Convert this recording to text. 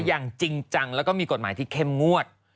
อย่างจริงจังแล้วก็มีกฎหมายที่เข้มงวด